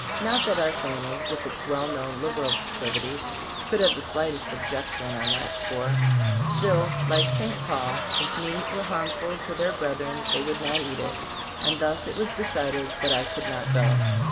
Not that our family, with its well known liberal proclivities, could have the slightest objection on that score; still, like St. Paul, if meat were harm ful to their brethren they would not eat it, and thus it was decided that I could not go.